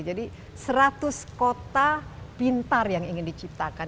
jadi seratus kota pintar yang ingin diciptakan